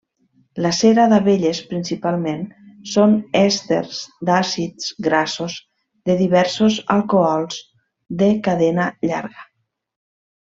La cera d'abelles principalment són èsters d'àcids grassos de diversos alcohols de cadena llarga.